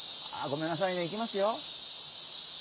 ごめんなさいねいきますよ。